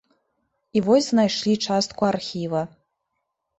І вось знайшлі частку архіва.